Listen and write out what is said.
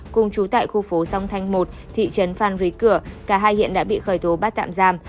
cùng chú tại khu phố song thanh một thị trấn phan rí cửa cả hai hiện đã bị khởi tố bắt tạm giam